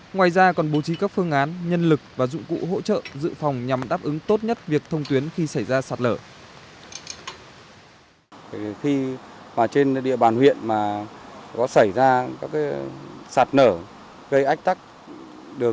ngoài ra còn bố trí các phương án nhân lực và dụng cụ hỗ trợ dự phòng nhằm đáp ứng tốt nhất việc thông tuyến khi xảy ra sạt lở